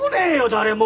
誰も！